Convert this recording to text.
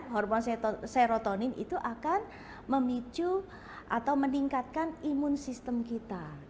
hormon serotonin itu akan memicu atau meningkatkan imun sistem kita